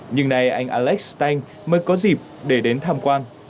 nhưng nay anh alex tank mới có dịp để đến tham quan